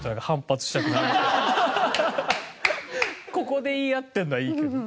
ここで言い合ってるのはいいけど。